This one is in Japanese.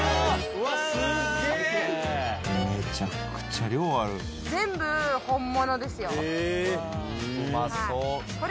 うまそう。